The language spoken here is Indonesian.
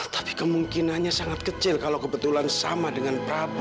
tapi kemungkinannya sangat kecil kalau kebetulan sama dengan prabowo